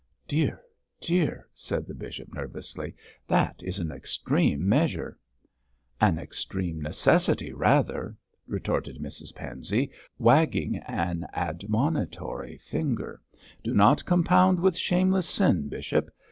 'Dear, dear!' said the bishop, nervously, 'that is an extreme measure.' 'An extreme necessity, rather,' retorted Mrs Pansey, wagging an admonitory finger; 'do not compound with shameless sin, bishop.